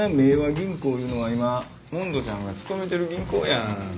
銀行いうのは今主水ちゃんが勤めてる銀行やん。